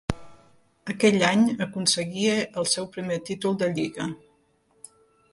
Aquell any aconseguia el seu primer títol de Lliga.